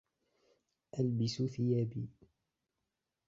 أَلْبِسَ ثِيابُي.